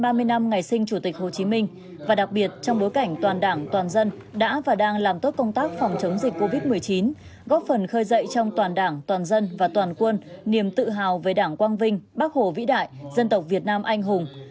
ba mươi năm ngày sinh chủ tịch hồ chí minh và đặc biệt trong bối cảnh toàn đảng toàn dân đã và đang làm tốt công tác phòng chống dịch covid một mươi chín góp phần khơi dậy trong toàn đảng toàn dân và toàn quân niềm tự hào về đảng quang vinh bác hồ vĩ đại dân tộc việt nam anh hùng